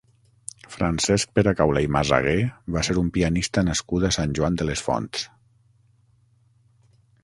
Francesc Peracaula i Masagué va ser un pianista nascut a Sant Joan les Fonts.